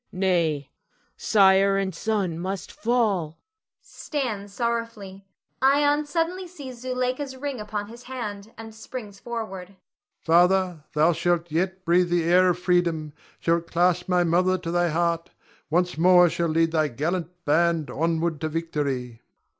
Nay, sire and son must fall! [Stands sorrowfully. Ion suddenly sees Zuleika's ring upon his hand, and springs forward.] Ion. Father, thou shalt yet breathe the air of freedom, shall clasp my mother to thy heart; once more shall lead thy gallant band onward to victory.